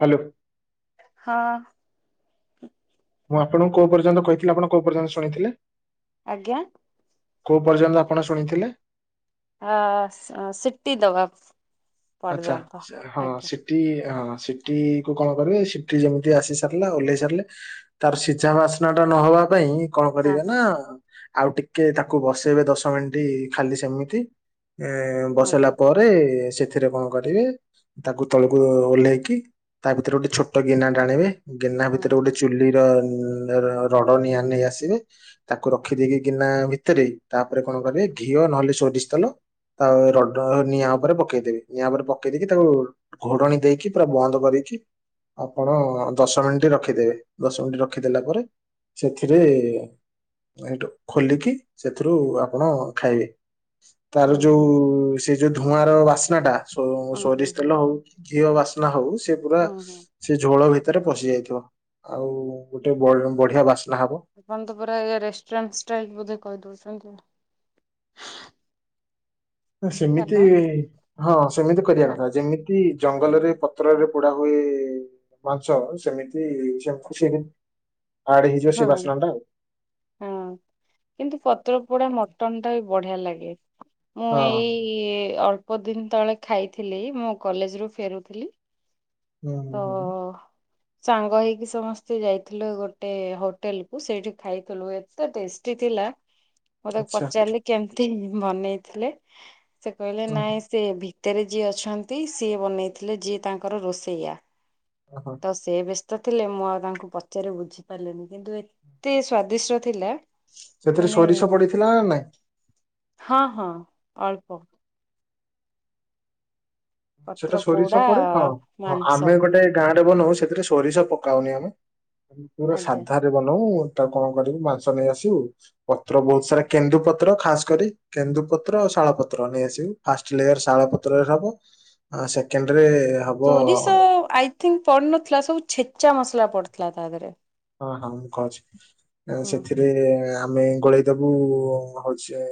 Hello! ହ ମୁଁ ଆପଣଙ୍କୁ କୋଉ ପର୍ଯ୍ୟନ୍ତ କହିଥିଲି ଆପଣ କୋଉ ପର୍ଯ୍ୟନ୍ତ ଶୁଣିଥିଲେ? ଆଜ୍ଞା କୋଉ ପର୍ଯ୍ୟନ୍ତ ଆପଣ ଶୁଣିଥିଲେ? ହ ସିଟି ଦବା ଆଛା ପର୍ଯ୍ୟନ୍ତ ହଁ ଆଜ୍ଞା। ସେଠି ହ ସିଟି କୁ କଣ କରିବେ ସିଟି ଯେମିତି ଆସି ସାରିଲା ଓହ୍ଲେଇ ସାରିଲେ ତାର ସିଝା ବାସ୍ନା ଟା ନହବା ପାଇଁାଇଁ କଣ ହଁ କରିବେ ହଁ ନା ଆଉ ଟିକେ ତାକୁ ବସେଇବେ ଦଶ ମିନିଟ ଖାଲି ସେମିତି, ଏ ବସେଇଲା ପରେ ସେଥିରେ କଣ କରିବେ ତାକୁ ତଳକୁ ଓହ୍ଲେଇକି ତା ଭିତରେ ଗୋଟେ ଛୋଟ ଗିନା ଟାଣିବେ ଗେନା ଭିତରେ ଗୋଟେ ହଁ ଚୁଲି ର ରଡ ନିଆଁ ନେଇ ଆସିବେ ତାକୁ ରଖିଦେଇକି କିନା ଭିତରେ, ତାପରେ କଣ କରିବେ ଘିଅ ନହେଲେ ସୋରିଷ ତେଲ ତା ର ନିଆଁ ଉପରେ ପକେଇଦେବେ। ନିଆ ଉପରେ ପକେଇ ଦେଇକି ତାକୁ ଘୋଡଣ ଦେଇକି ପୁରା ବନ୍ଦ କରିକି ଆପଣ ଦଶ ମିନିଟ ରଖିଦେବେ ଦଶ ମିନିଟ ରଖିଦେଲା ପରେ ସେଥିରେ ଖୋଲିକି ସେଥିରୁ ଆପଣ ଖାଇବେ। ତାର ହଁ ହଁ ଯୋଉ ହଁ ସେଇ ଯୋଉ ଧୂଆଁ ର ବାସ୍ନା ଟା ହଁ ହଁ ସୋରିଷ ହଁ ତେଲ ହଉ ଘିଅ ବାସ୍ନା ହଉ ସେ ପୁରା ହଁ ହଁ ହଁ। ସେ ଝୋଳ ଭିତରେ ଭିତରେ ପଶି ଯାଇଥିବ ଆଉ ଗୋଟେ ବଢିଆ ବାସ ଆପଣ ତ ପୁରା ରେଷ୍ଟାଣ୍ଟ ାଇଲ ବୋଧେ କହିଦଉଛନ୍ତି। ସେମିତି ହାଲୋ ହଁ ସେମିତି କରିବା ହଁ କଥା ଯେମିତି ଜଙ୍ଗଲରେ ପତ୍ରରେ ପୋଡା ହୁଏ। ମାଂସ ସେମିତି ସେମତି ଖୁସି ହଁ ହଁ କିନ୍ତୁ ପତ୍ର ପଡା ମଟନ ଟା ବି ବଢିଆ ଲାଗେ। ମୁଁ ଆଉ ଏଇ ଅଳ୍ପ ବହୁତଦିନ ତଳେ ଖାଇଥିଲି ମୁଁ କଲେଜ ରୁ ଫେରୁଥିଲି। ହଁ ହ। ତ ସାଙ୍ଗ ହେଇକି ସମସ୍ତେ ଯାଇଥିଲେୁ ଗୋଟେ ହୋଟେଲ କୁ ସେଇଠି ଖାଇଥିଲୁ ଏତେ ଟେଷ୍ଟି ଥି ଥିଲା। ମୁଁ ତାକୁ ଆଚ୍ଛା ପଚାରିଲି କେମିତି ବନେଇଥିଲେ ସେ କହିଲେ ଓ ନାଇଁ ଓହୋ ସେ ଭ ଭୀତରେ ଯିଏ ଅଛନ୍ତି ସିଏ ବନେଇଥିଲେ ଯିଏ ତାଙ୍କର ରୋଷେଇଆ। ତ ସେ ବି ଥିଲେ ମୁଁ ଆଉ ତାଙ୍କୁ ପଚାରି ବୁଝିପାରିଲିନି କିନ୍ତୁ ଏତେ ସ୍ଵାଦିଷ୍ଟ ଥିଲା ସେଥିରେ ମାନେ ସୋରିଷ ପଡିଥିଲା ନା ନାଇଁ ହଁ ହଁ ଅଳ୍ପ ସେଟା ପତ୍ର ସୋରିଛ ପୋଡା ପରେଡେ ହଁ ମାଂସ ଆମେ ଗୋଟେ ଗାଁ ବନଉ ସେଥିରେ ସୋରିଷ ପକାଉନି ଆମେ ପୁରା ଆଜ୍ଞା ସାଧାରେ ବନଉ କଣ କରିବୁ ମାଂସ ନେଇ ଆସିବୁ ପତ୍ର ବହୁତ ସାରା କେନ୍ଦୁପତ୍ର ଖାସ କରି କେନ୍ଦୁପତ୍ର ଶାଳ ପତ୍ର ନେଇ ଆସିବୁ ଫାଷ୍ଟଲେୟର ଶାଳ ପତ୍ରରେ ହବ ସେକେଣ୍ଡରେ ହବ ସୋରିଷ ଆଇଥିଙ୍କ ପଡିନଥିଲା ସବୁ ଛେଚା ମସଲା ପଡିଥିଲା ତା ଦେହରେ। ହଁ ହଁ ମୁଁ କହୁଛି ହୁଁ। ସେଥିରେ ଆମେ ଗୋଳେଇଦବୁ ହଉଛି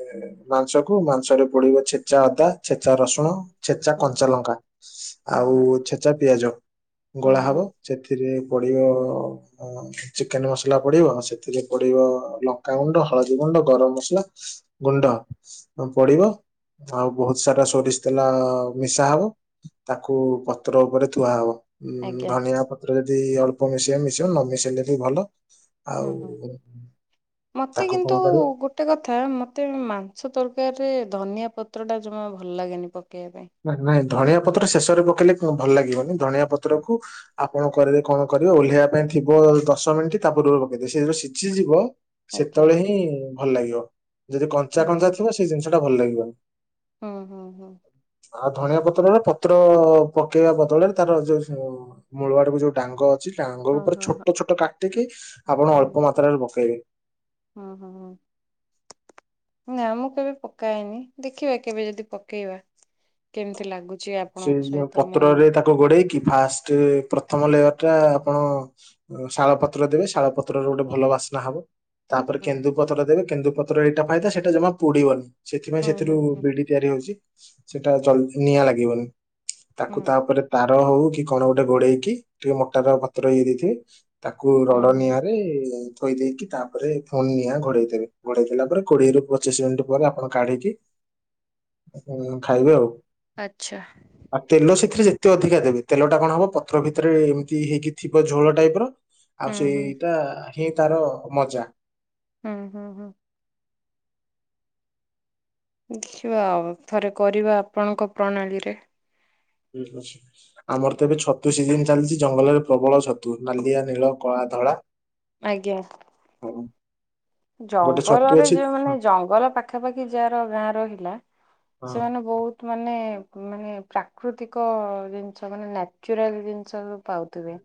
ମାଂସକୁ ମାଂସରେ ପଡିବ ଛେଚା ଅଦା ଛେଚା ହୁଁ ରସୁଣ ଛେଚା ହୁଁ କଞ୍ଚା ହୁଁ ଲଙ୍କା ହଁ ଆଉ ହଁ ଛେଚା ପିଆଜ ହୁଁ ଗୋଳା ହବ ହୁଁ ସେଥିରେ ପଡିିବ ହ ଚିକେନ ମସଲା ପଡିବ ସେଥିରେ ପଡିବ ଲଙ୍କାଗୁଣ୍ଡ ହଳଦୀ ଗୁଣ୍ଡ ଗରମ ମସଲା ଗୁଣ୍ଡ ପଡିବ। ଆଉ ବହୁତ ସାରା ସୋରିଷତେଲା ମିଶା ହବ ତାକୁ ପତ୍ର ଉପରେ ଥୁଆ ହବ। ଉଁ ଆଜ୍ଞା ଧନିଆ ପତ୍ର ଯଦି ଅଳ୍ପ ମିଶେଇ ମିଶେଇ ନ ମିଶେଇଲେ ବି ଭଲ ଆଉ ହୁଁ ହୁଁ। ମତେ ତାକୁ କଣ କିନ୍ତୁ କରିବ ଗୋଟେ କଥା ମତେ ମାଂସ ତରକାରୀ ରେ ଧନିଆ ପତ୍ର ଟା ଜମା ଭଲ ଲାଗେନି ପ ପକେଇବା ନାଇଁ ନାଇଁ ଧଣିଆ ପତ୍ର ଶେଷରେ ପକେଇଲେ ଭଲ ଲାଗିବନି ଧନଆ ପତ୍ର କୁ ଆପଣ କରିବେ କଣ କରିବେ ଓଲେହିବା ପାଇଁ ଥିବ ଦଶ ମିନିଟ୍ ତା ପୂବରୁ ପକେଇଦି ସେ ଯୋଉ ସିଝିଯିବ ପାଇଁ ଆଜ୍ଞା ସେତେବେଳେ ହିଁ ଭଲ ଲାଗିବ ଯଦି କଞ୍ଚା କଞ୍ଚା ଥିବ ସେଇ ଜିନିଷ ଟା ଭଲ ଲାଗିବନି। ହଁ ହୁଁ ହଁ ଆଉ ଧଣିଆ ପତ୍ରରେ ପତ୍ର ପକେଇବା ବଦଳରେ ତାର ଯୋଉ ମୂଳଆ ଟକୁ ଯୋଉ ଡାଙ୍ଗ ବଝ ଆଙ୍ଗ ହଁ ଉପରେ ହଁ ହଁ ଛୋଟ ଛୋଟ କାଟିକି ଆପଣ ଅଳ୍ପ ହୁଁ। ମାତ୍ରାରେ ପକେଇବେ। [inaudible] ହୁଁ ହୁଁ ହୁଁ ନା ମୁଁ କେବେ ପକା ହେନି ଦେଖିବା କେବେ ଯଦି ପକେଇବା କେମିତି ଲାଗୁଛି। ସେ ଆପଣଙ୍କ ଯ ସହିତ ମୁଁ ପତ୍ରରେ ତାକୁ ଗୋଡେଇକି ଫାଷ୍ଟ ପ୍ରଥମ ଲେୟର ଟା ଆପଣ ଶାଳ ପତ୍ର ଦେବେ ଶାଳ ପତ୍ରର ଗୋଟେ ଭଲ ବାସ୍ନା ହବ। ତାପରେ ହୁଁ କେନ୍ଦୁପତ୍ର ଦେବେ କେନ୍ଦୁପତ୍ର ଏଇଟା ଫାଇଦା ସେଇଟା ଜମା ପୋଡିବନି। ସେଥିପାଇଁ ହୁଁ ହୁଁ ସେଥିରୁ ହୁଁ ବିଡି ତିଆରି ହଉଛି ସେଟା ଜଲ ନିଆଁ ଲାଗିବନି। ତାକୁ ହୁଁ। ତାପରେ ତାର ହଉ କି କଣ ଗୋଟେ ଘୋଡେଇକି ଟିକେ ମୋଟା ର ପତ୍ର ହେଇ ଦେଇଥିବେ। ତାକୁ ହୁଁ ରଡ ହୁଁ ନିଆଁରେ ଥୋଇ ଦେଇକି ତାପରେ ଫୋନ ନିଆଁ ଘଡେଇ ଦେବେ ଘଡେଇ ଦେଲା ପରେ କୋଡିଏରୁୁ ପଚିଶ ମିନିଟ୍ ପରେ ଆପଣ କାଢିକି ହଁ ଖାଇବେ ଆଉ। ଆଚ୍ଛା ରେ ଯେତେ ଅଧିକା ଦେବେ ତେଲ ଟା କଣ ହବ ପଥର ଭିତରେ ଏମିତି ହେଇକି ଥିବ ଝୋଳ ଟାଇପର ଆଉ ହୁଁ ହୁଁ ସେଇଟା ହିଁ ତାର ମଜା। ହୁଁ ହୁଁ ହୁଁ ଦେଖିବା ଆଉ ଥରେ କରିବା ଆପଣଙ୍କ ପ୍ରଣାଳୀରେ। ଅ ଆମର ତ ଏବେ ଛତୁ ସିଜନ ଚାଲିଛି ଜଙ୍ଗଲରେ ପ୍ରବଳ ଛତୁ ନାଲିଆ ନୀଳ କଳା। ଧଳା ଆଜ୍ଞା ହୁଁ ଜଙ୍ଗଲରେ ଯୋଉ ମାନେ ଜଙ୍ଗଲ ପାଖାପାଖି ଯାହାର ଗାଁ ରହିଲା ହଁ। ସେମାନେ ବହୁତ ମାନେ ମାନେ ପ୍ରାକୃତିକ ଜିନିଷ ମାନେ ନ୍ୟାଚୁରାଲ ଜିନିଷ ପାଉଥିବେ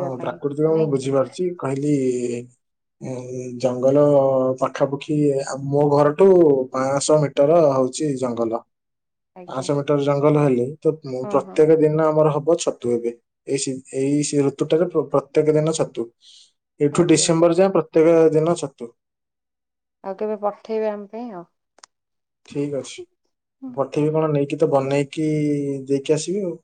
ହଁ ପାଇଁ ପ୍ରାକୃତିକ ମୁଁ ନାଇଁ କି ବୁଝିପାରୁଛି କହିଲି ଜଙ୍ଗଲ ପାଖାପାଖି ମୋ ଘରଠୁ ପାଅଂଶହ ମିଟର ହଉଛି ଜଙ୍ଗଲ ଆଜ୍ଞା ପାଁଶହ ମିଟର ଜଙ୍ଗଲ ହେଲି ତ ହଁ ହଁ ପ୍ରତ୍ୟେକ ଦିନ ଆମର ହବ ଛତୁ ତ ଏବେ ଏଇ ସିଂ ଏଇ ଋତୁଟାରେ ପ୍ରତ୍ୟେକ ଦିନ ଛତୁ ଏଠୁ ଆଜ୍ଞା ଡିସେମ୍ବର ଯାଏଁ ପ୍ରତ୍ୟେକ ଦିନ ଛତୁ ଆଉ କେବେ ପଠେଇବେ ଆମ ପାଇଁ ଆଉ ଠିକ ଅଛି ପଠେଇବି କଣ ନେଇକି ତ ବନେଇକି ଦେଇକି ଆସିବି ଆଉ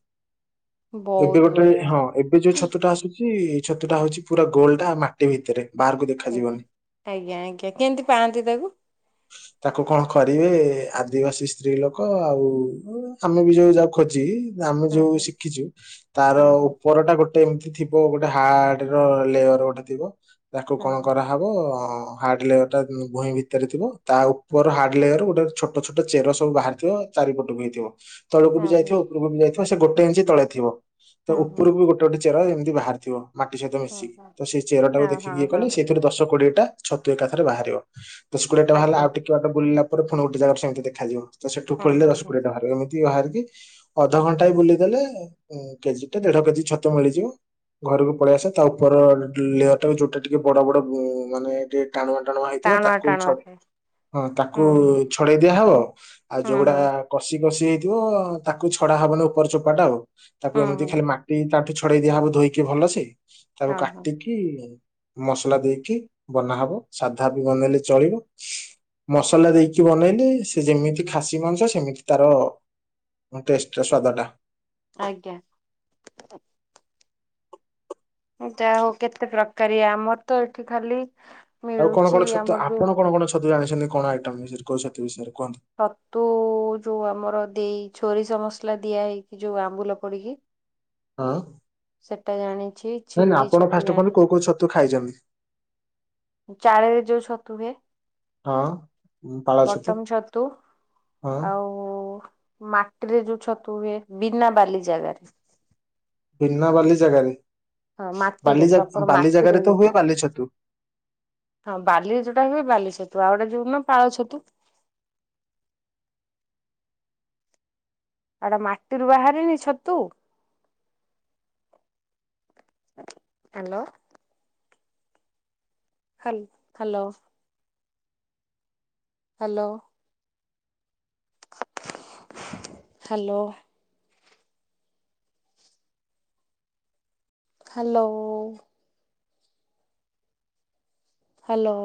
ଏବେ ବହୁତ ଗୋଟେ ବଢିଆ ହଁ ଏବେ ଯୋଉ ଛତୁ ଟା ଆସୁଛି ଇ ଛତୁଟା ହଉଛି ପୁରା ଗୋଲଟା ମାଟି ଭିତରେ ବାହାରକୁ ଆା ଦେଖାଯିବନି ଆଜ୍ଞା ଆଜ୍ଞା କେମିତି ପାଆନ୍ତି ତାକୁ ଶୁ ତାକୁ କଣ କରିବେ ଆଦିବାସୀ ସ୍ତ୍ରୀ ଲୋକ ଆଉ ଆମେ ବି ଯୋଉ ଯା ଖୋଜି ଆମେ ହଁ ଯୋଉ ହଁ ଶିଖିଛୁ ତାର ହଁ ଉପର ଟା ଗୋ ଗୋଟେ ଏମିତି ଥିବ ଗୋଟେ ହାର୍ଡ ର ଲେୟର ଗୋଟେ ଥିବ ତାକୁ ହଁ କଣ କରାହେବ ହାର୍ଡ ଲେୟର ଟା ଭୂଇଁ ଭିତରେ ଥିବ ତା ଉପର ହାର୍ଡ ଲେୟର୍ ଗୋଟେ ଛୋଟ ଛୋଟ ଚେର ସବୁ ବାହାରିଥିବ ଚାରିପଟକୁ ହେଇଥିବ ତଳକୁ ବି ହଁ ହଁ ଯାଇଥିବ ଉପରକୁ ବି ଯାଇଥିବ ସେ ଗୋଟେ ଇଞ୍ଚି ତଳେ ଥ ତ ହଁ ହଁ ହଁ ଉପରକୁ ଗୋଟେ ଗୋଟେ ଚେର ଏମିତି ତି ବାହାରି ଥିବ ମାଟି ସହିତ ହଁ ମିଶିକି ହଁ। ତ ସେଇ ଚେର ଟାକୁ ହଁ ଦେଖିକି ହଁ ଏ କଲେ ହଁ ସେଇଥିରୁ ଦଶ କୋଡିଏ ଟା ଛତୁ ଏକାଥରେ ବାହାରିବ ଦସ୍ କୋଡ଼ିଏଟା ବାହାରିଲା ଆଜ୍ଞା ଆଉ ଟିକେ ବାଟ ବୁଲିଲା ପରେ ପୁଣି ଗୋଟେ ଜାଗାରେ ସେମିତି ଦେଖାଯିବ ତ ସେଠୁ ହଁ ଖୋଳିଲେ ହଁ ଦଶ ହଁ କୋଡିଏ ଟା ବାହାରିବ ଏମତି ବାହାରି କି ଅଧଘଣ୍ଟାଏ ବୁଲିଦେଲେ କେଜି ଟା ଦେଢ କେଜି ଛତୁ ମିଳିଯିବ ଘରକୁ ପଳେଇ ଆସେ ତା ଉପର ଲେୟର ଟା ଯୋଉଟା ଟିକେ ବଡ ବଡ ମାନେ କେ ଟାଣୁଆ ଟାଣୁଆ ହେଇଥିବ ତାକୁ ଟାଣୁଆ ଛଡ ଥାଏ ହଁ ତାକୁ ହୁଁ ହୁଁ ଛଡେଇ ଦିଆହବ, ଆଉ ହୁଁ ଯୋଉଗୁଡା ହୁଁ କଷି କଷି ହେଇଥିବ ତାକୁ ଛଡା ହବନି, ଉପର ଚୋପା ଟା ଆଉ ତାକୁ ହୁଁ ଏମିତି ଖାଲି ହୁଁ ମାଟି ତାଟି ଛଡେଇ ଦିଆ ହବ ଧୋଇକି, ଭଲସେ ତାକୁ ହଁ ହଁ। କାଟିକି ମସଲା ଦେଇକି ବନାହବ, ସାଧା ବି ବନେଇଲେ ଚଳିବ ମସଲା ଦେଇକି ବନେଇଲେ ସେ ଯେମିତି ଖାସି ମାଂସ ସେମିତି ତାର ଟେଷ୍ଟ୍ ର ସ୍ଵାଦ ଟା ଆଜ୍ଞା। ଏଟା ହଉ କେତେ ପ୍ରକାରିଆ ଆମର ତ ଏଠି ଖାଲି ଆଉ କଣ ମିଳୁଛି କଣ ଛତୁ ଆମର ଯୋଉ ଆପଣ କଣ କଣ ଛତୁ ଜାଣିଛନ୍ତି, କଣ ଆଇଟମ ବିଷୟରେ କୋଉ ଛତୁ ବିଷୟରେ କୁହନ୍ତୁ ଛତୁ ଯୋଉ ଆମର ଦେଇ ଛୋରିସ ମସଲା ଦିଆ ହେଇକି, ଯୋଉ ଆମ୍ବୁଲ ପଡିକି ହଁ। ସେଟା ଜାଣି ନାଇଁ ନାଇଁ ଆପଣ ଫାଷ୍ଟ ଅଫ୍ ଅଲ୍ କୋଉ କୋଉ ଛତୁ ଖାଇଛନ୍ତି ଚାଳେରେ ଯୋଉ ଛତୁ ହୁଏ ହଁ। ଉଁ, ପାଳ ବଟମ ଛତୁ ହଁ ଆଉ ମାଟିରେ ଯୋଉ ଛତୁ ହୁଏ ବିନା ବାଲି ଜାଗାରେ ବିନା ବାଲି ଜାଗାରେ ହଁ ବାଲି ମାଟିରେ, ଜା ପ୍ରପର ବାଲି ମାଟିରେ ଜାଗାରେ ତ ହୁଏ ବାଲି ଛତୁ। ହଁ ବାଲିରେ ଯୋଉଟା ହୁଏ। ବାଲି ଛତୁ ଆଉ ଗୋଟେ ଯୋଉ ନା ପାଳ ଛତୁ ଆଡ ମାଟିରୁ ବାହାରନି ଛତୁ ହାଲୋ। ହ hello. Hello. Hello. Hello. Hello.